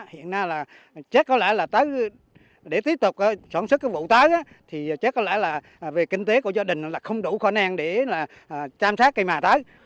hiện nay là chắc có lẽ là tới để tiếp tục chuẩn sức cái vụ tới thì chắc có lẽ là về kinh tế của gia đình là không đủ khó nang để là chăm sát cây mà tới